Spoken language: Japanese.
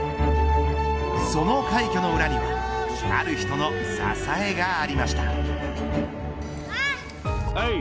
その快挙の裏にある人の支えがありました。